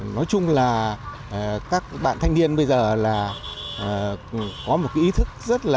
nói chung là các bạn thanh niên bây giờ là có một cái ý thức rất là